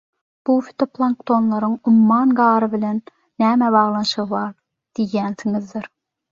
Bu fitoplanktonlaryň umman gary bilen näme baglanşygy bar diýýansiňizdir.